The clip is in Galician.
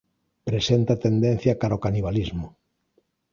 Presenta tendencia cara ao canibalismo.